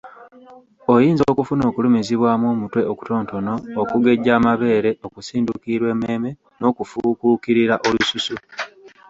Oyinza okufuna okulumizibwamu omutwe okutonotono, okugejja amabeere, okusinduukirirwa emmeeme n’okufuukuukirira olususu.